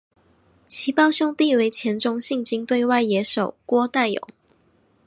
其胞兄为前中信鲸队外野手郭岱咏。